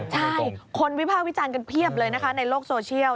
ใช่คนวิภาควิจารณ์กันเพียบเลยนะคะในโลกโซเชียล